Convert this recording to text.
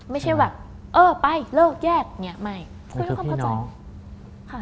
ไม่ใช่แบบไปเลิกแยกไม่คุยกันด้วยความเข้าใจ